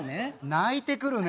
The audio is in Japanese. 鳴いてくるね。